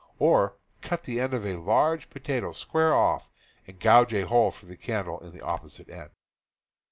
Or, cut the end of a large potato square off, and gouge a hole for the candle in the op posite end.